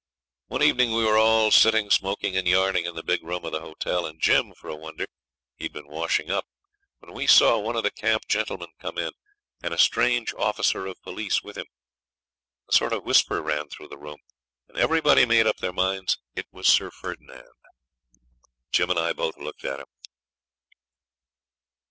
One evening we were all sitting smoking and yarning in the big room of the hotel, and Jim, for a wonder we'd been washing up when we saw one of the camp gentlemen come in, and a strange officer of police with him. A sort of whisper ran through the room, and everybody made up their minds it was Sir Ferdinand. Jim and I both looked at him.